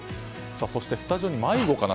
そしてスタジオに迷子かな？